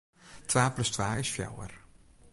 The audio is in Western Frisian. Twa plus twa is fjouwer.